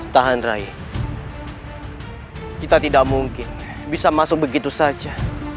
tahan raya kita tidak mungkin bisa masuk begitu saja